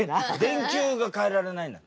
電球が換えられないんだって。